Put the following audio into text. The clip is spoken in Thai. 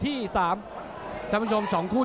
ติดตามยังน้อยกว่า